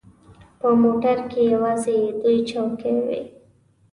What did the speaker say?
په موټر کې یوازې دوې چوکۍ وې.